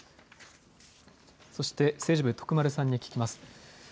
政治部徳丸さんに聞きます。